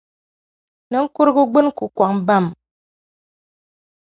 Ninkurugu gbini ku kɔŋ bam.